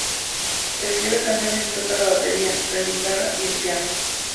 Escribe canciones y toca la batería, la guitarra y el piano.